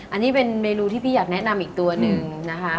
อันนี้เป็นเมนูที่พี่อยากแนะนำอีกตัวหนึ่งนะคะ